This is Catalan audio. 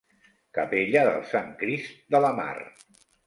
Capella del Sant Crist de la Mar.